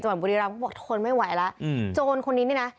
จังหวัดบุรีรำบอกทุกคนไม่ไหวเหละอืมโจรคนนี้นี่นะ